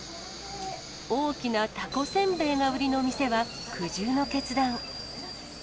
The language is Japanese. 大きなたこせんべいが売りの店は、苦渋の決断。